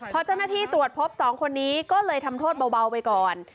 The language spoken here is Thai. พอเจ้าหน้าที่ตรวจพบ๒คนนี้ก็เลยทำโทษเบาไปก่อน